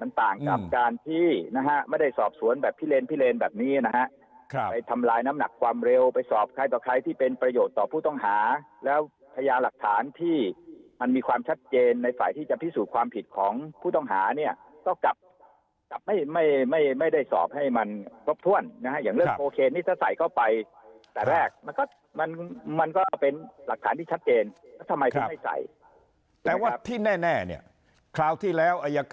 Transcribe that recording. มันต่างกับการที่นะฮะไม่ได้สอบสวนแบบพิเลนแบบนี้นะฮะไปทำลายน้ำหนักความเร็วไปสอบใครต่อใครที่เป็นประโยชน์ต่อผู้ต้องหาแล้วพยาหลักฐานที่มันมีความชัดเจนในฝ่ายที่จะพิสูจน์ความผิดของผู้ต้องหาเนี่ยก็กลับไม่ได้สอบให้มันก็พ่วนนะฮะอย่างเรื่องโปเคนี่จะใส่เข้าไปแต่แรกมันก็เป็นหลัก